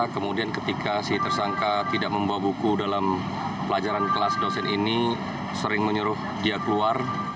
kemudian ketika si tersangka tidak membawa buku dalam pelajaran kelas dosen ini sering menyuruh dia keluar